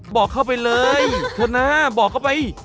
บอกเข้าไปเลยเถอะนะบอกเข้าไป